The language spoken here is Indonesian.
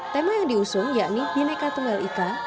tema yang diusung yakni bineka tunggal ika